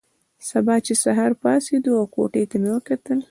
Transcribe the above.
سبا چې سهار پاڅېدو او کوټې ته مې وکتل.